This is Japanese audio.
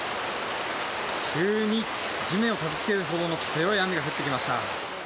急に、地面をたたきつけるほどの強い雨が降ってきました。